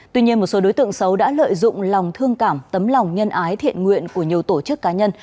tuy nhiên một số đối tượng xấu đã lợi dụng lòng thương cảm tấm lòng nhân ái thiện nguyện của nhiều tổ chức cá nhân